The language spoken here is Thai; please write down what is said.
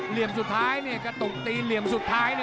เหลี่ยมสุดท้ายเนี่ยกระตุกตีเหลี่ยมสุดท้ายเลย